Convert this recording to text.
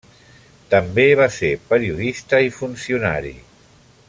També va ser periodista i funcionari.